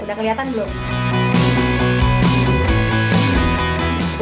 udah kelihatan belum